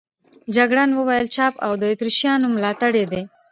جګړن وویل پاپ د اتریشیانو ملاتړی دی.